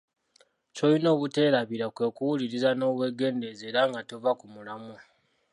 Ky'olina obuteerabira kwe kuwuliriza n'obwegendereza era nga tova ku mulamwa.